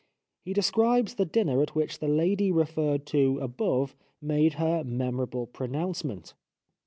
He describes the dinner at which the lady referred to above made her memorable pronouncement.